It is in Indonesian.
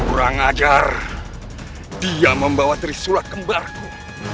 kurang ajar dia membawa trisulat kembarku